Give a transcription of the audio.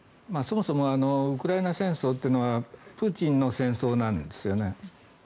そもそもウクライナ戦争というのはプーチンの戦争なんですよね。